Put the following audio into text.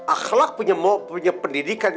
akhlak punya pendidikan